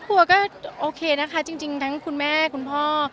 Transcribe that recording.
ครัวก็โอเคนะคะจริงทั้งคุณแม่คุณพ่อ